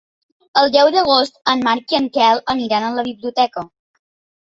El deu d'agost en Marc i en Quel aniran a la biblioteca.